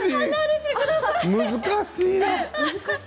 難しい。